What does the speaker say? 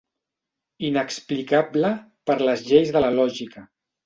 Inexplicable per les lleis de la lògica.